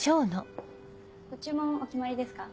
ご注文お決まりですか？